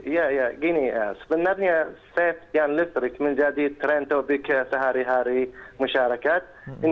ya ya gini ya sebenarnya safe yang listrik menjadi trend topik sehari hari masyarakat